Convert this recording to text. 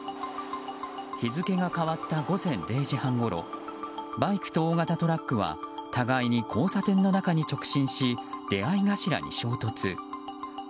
日付が変わった午前０時半ごろバイクと大型トラックは互いに交差点の中に直進し出会い頭に衝突。